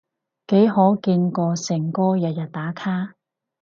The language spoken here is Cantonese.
幾可見過誠哥日日打卡？